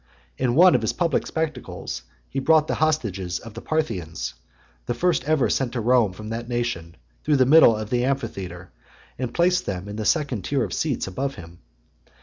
In one of his public spectacles, he brought the hostages of the Parthians, the first ever sent to Rome from that nation, through the middle of the amphitheatre, and placed them in the second tier of seats above him.